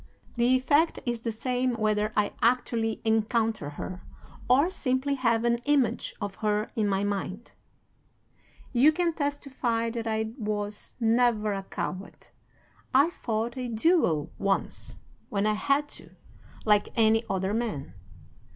The effect is the same whether I actually encounter her, or simply have an image of her in my mind. "'You can testify that I was never a coward. I fought a duel once, when I had to, like any other man.